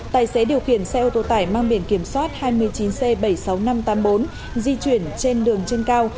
tài xế điều khiển xe ô tô tải mang biển kiểm soát hai mươi chín c bảy mươi sáu nghìn năm trăm tám mươi bốn di chuyển trên đường trên cao